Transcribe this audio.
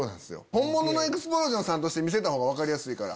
本物のエグスプロージョンさんとして見せたほうが分かりやすいから。